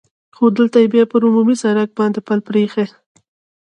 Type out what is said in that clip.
خو دلته یې بیا پر عمومي سړک باندې پل پرې اېښی.